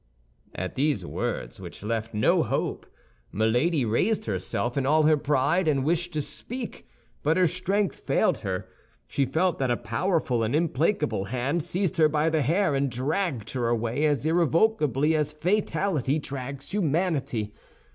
At these words, which left no hope, Milady raised herself in all her pride, and wished to speak; but her strength failed her. She felt that a powerful and implacable hand seized her by the hair, and dragged her away as irrevocably as fatality drags humanity.